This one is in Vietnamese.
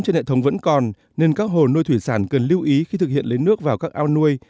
trên hệ thống vẫn còn nên các hồ nuôi thủy sản cần lưu ý khi thực hiện lấy nước vào các ao nuôi